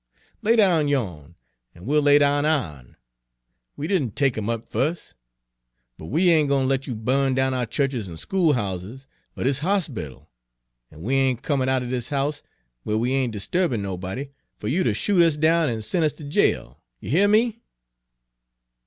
Lay down yo'n, an' we'll lay down ou'n, we didn' take 'em up fust; but we ain' gwine ter let you bu'n down ou' chu'ches an' school'ouses, er dis hospittle, an' we ain' comin' out er dis house, where we ain' disturbin' nobody, fer you ter shoot us down er sen' us ter jail. You hear me!"